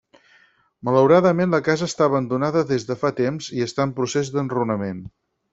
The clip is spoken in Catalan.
Malauradament la casa està abandonada des de fa temps i està en procés d'enrunament.